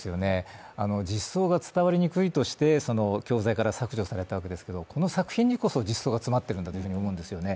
実相が伝わりにくいとして教材から削除されたわけですが、この作品にこそ実相が詰まっているんだと思いますよね。